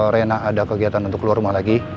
rena ada kegiatan untuk keluar rumah lagi